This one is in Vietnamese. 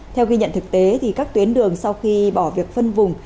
theo ghi nhận thực tế thì các tuyến đường sau khi bỏ việc phân vùng